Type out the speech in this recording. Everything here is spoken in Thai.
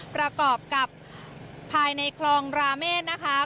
ประกอบกับภายในคลองราเมฆนะคะ